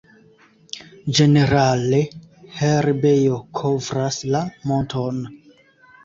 Ĝenerale herbejo kovras la monton.